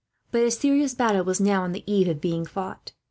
But a serious battle was now on the eve of being fought.